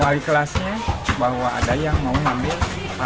wali kelasnya bahwa ada yang mau ngambil